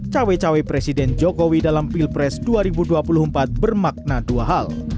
cawe cawe presiden jokowi dalam pilpres dua ribu dua puluh empat bermakna dua hal